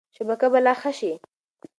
شبکه به لا ښه شي.